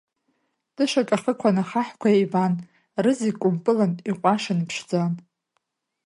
Тышак ахықәан ахаҳәқәа еиван, рызегь кәымпылын, иҟәашәын, иԥшӡан.